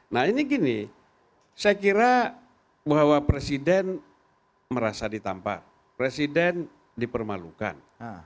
nah ini gini saya kira bahwa presiden merasa ditampak presiden dipermalukan